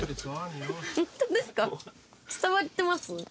伝わってます？